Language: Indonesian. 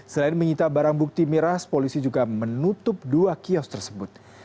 selain menyita barang bukti miras polisi juga menutup dua kios tersebut